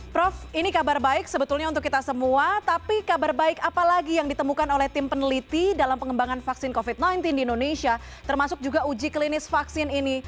prof ini kabar baik sebetulnya untuk kita semua tapi kabar baik apa lagi yang ditemukan oleh tim peneliti dalam pengembangan vaksin covid sembilan belas di indonesia termasuk juga uji klinis vaksin ini